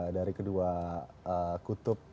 dari kedua kutub